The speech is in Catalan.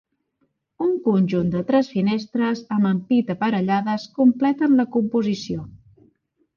Un conjunt de tres finestres amb ampit aparellades completen la composició.